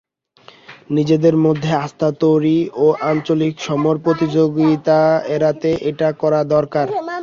নিজেদের মধ্যে আস্থা তৈরি ও আঞ্চলিক সমর প্রতিযোগিতা এড়াতে এটা করা দরকার।